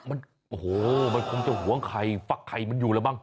มันโอ้โหมันคงจะหวงไข่ฟักไข่มันอยู่แล้วมั